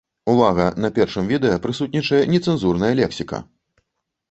Увага, на першым відэа прысутнічае нецэнзурная лексіка!